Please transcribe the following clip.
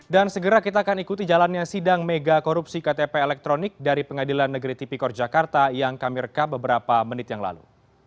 dan segera kita akan ikuti jalannya sidang mega korupsi ktp elektronik dari pengadilan negeri tipikor jakarta yang kami rekam beberapa menit yang lalu